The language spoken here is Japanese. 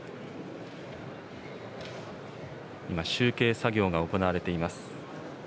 今、集計作業が行われています。